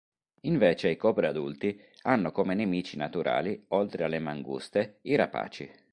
Invece i cobra adulti hanno come nemici naturali, oltre alle manguste, i rapaci.